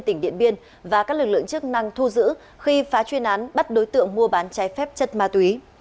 tỉnh điện biên và các lực lượng chức năng thu giữ khi phá chuyên án bắt đối tượng mua bán trái phép chất ma túy